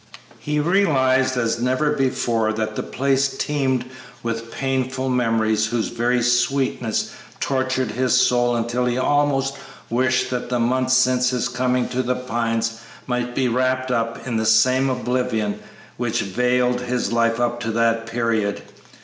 He realized as never before that the place teemed with painful memories whose very sweetness tortured his soul until he almost wished that the months since his coming to The Pines might be wrapped in the same oblivion which veiled his life up to that period.